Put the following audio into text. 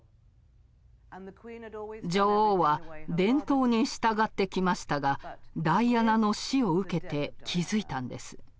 女王は伝統に従ってきましたがダイアナの死を受けて気付いたんです。